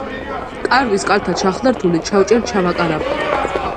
კარვის კალთა ჩახლართული ჩავჭერ ჩავაკარაბაკე